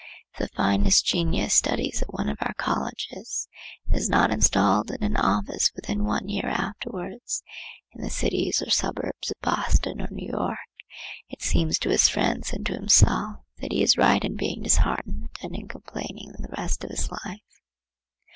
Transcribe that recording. If the finest genius studies at one of our colleges and is not installed in an office within one year afterwards in the cities or suburbs of Boston or New York, it seems to his friends and to himself that he is right in being disheartened and in complaining the rest of his life.